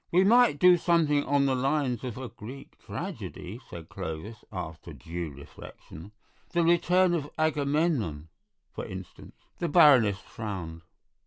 "We might do something on the lines of Greek tragedy," said Clovis, after due reflection; "the Return of Agamemnon, for instance." The Baroness frowned.